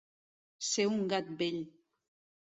Ser un gat vell.